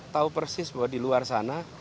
tahu persis bahwa di luar sana